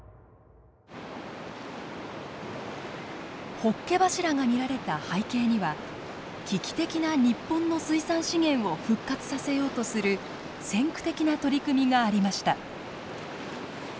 ホッケ柱が見られた背景には危機的な日本の水産資源を復活させようとする先駆的な取り組みがありました。